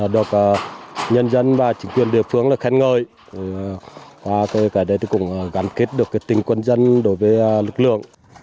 được nhân dân và chính quyền địa phương khen ngợi gắn kết tình quân dân đối với lực lượng